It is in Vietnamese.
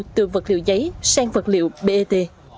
từ vật liệu giấy sang vật liệu bat